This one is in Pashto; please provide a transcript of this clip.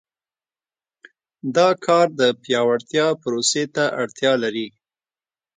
دا کار د پیاوړتیا پروسې ته اړتیا لري.